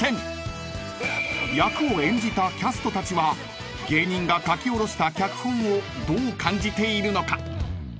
［役を演じたキャストたちは芸人が書き下ろした脚本をどう感じているのか？］